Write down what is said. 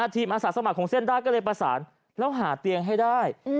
อาสาสมัครของเส้นได้ก็เลยประสานแล้วหาเตียงให้ได้